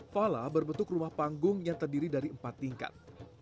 fala berbentuk rumah panggung yang terdiri dari empat tingkat